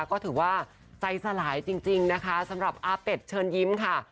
ก็ถือว่าใจสลายจริงนะคะสำหรับอาเป็ดเชิญยิ้มค่ะ